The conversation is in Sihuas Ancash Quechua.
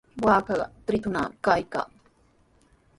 Waakaqa tritrunami kaykan.